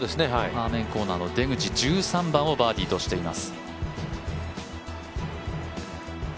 アーメンコーナーの出口１３番をバーディーとしています。